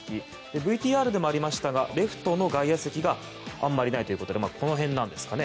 ＶＴＲでもありましたがレフトの外野席があまりないということでこの辺なんですかね。